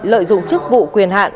lợi dụng chức vụ quyền hạn